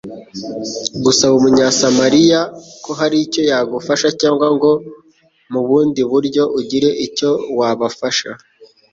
Gusaba Umunyasamariya ko hari icyo yagufasha, cyangwa ngo mu bundi buryo ugire icyo wabafasha